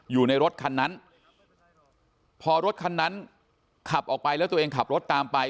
อยู่ในรถคันนั้นพอรถคันนั้นขับออกไปแล้วตัวเองขับรถตามไป